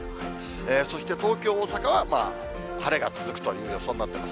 そして東京、大阪は晴れが続くという予想になっています。